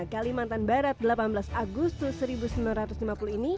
kalimantan barat delapan belas agustus seribu sembilan ratus lima puluh ini